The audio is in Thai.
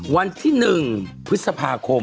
วันที่๑พฤษภาคม